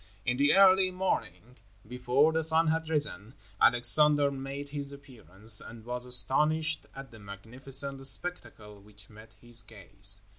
In the early morning, before the sun had risen, Alexander made his appearance and was astonished at the magnificent spectacle which met his gaze.